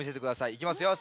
いきますよ。